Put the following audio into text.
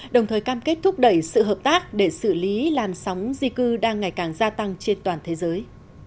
đồng thời cam kết thúc đẩy sự hợp tác để xử lý làn sóng di cư đang ngày càng gia tăng trên toàn thế giới